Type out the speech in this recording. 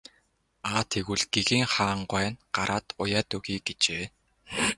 Аа тэгвэл гэгээн хаан гуай нь гараад уяад өгье гэжээ.